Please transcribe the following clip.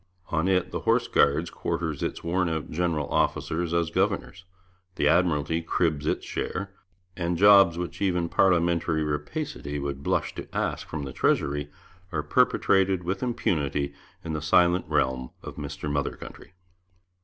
On it the Horse Guards quarters its worn out general officers as governors; the Admiralty cribs its share; and jobs which even parliamentary rapacity would blush to ask from the Treasury are perpetrated with impunity in the silent realm of Mr Mother Country.